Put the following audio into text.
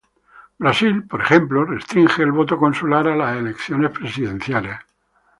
Brasil, por ejemplo, restringe el voto consular a las elecciones presidenciales.